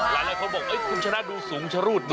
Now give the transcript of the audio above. หลายคนบอกคุณชนะดูสูงชะรูดนะ